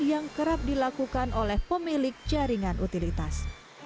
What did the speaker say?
yang kerap dilakukan oleh pemilik jaringan utilitas